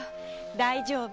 大丈夫！